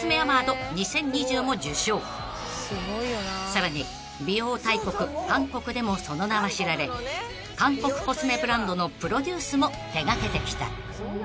［さらに美容大国韓国でもその名は知られ韓国コスメブランドのプロデュースも手掛けてきた］